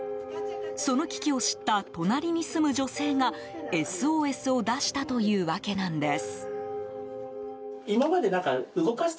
その危機を知った隣に住む女性がＳＯＳを出したというわけなんです。